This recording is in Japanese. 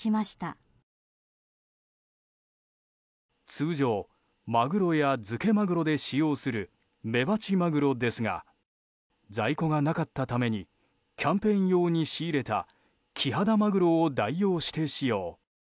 通常、まぐろや漬けマグロで使用するメバチマグロですが在庫がなかったためにキャンペーン用に仕入れたキハダマグロを代用して使用。